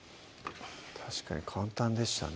確かに簡単でしたね